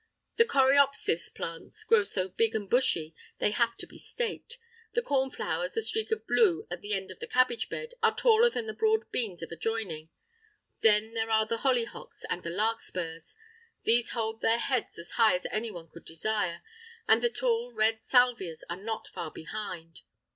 The coreopsis plants grow so big and bushy they have to be staked. The cornflowers, a streak of blue at the end of the cabbage bed, are taller than the broad beans adjoining. Then there are the hollyhocks and the larkspurs—these hold their heads as high as anyone could desire, and the tall red salvias are not far behind.